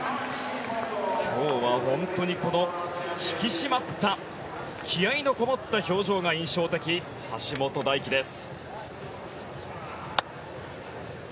今日は、本当に引き締まった気合のこもった表情が印象的橋本大輝です。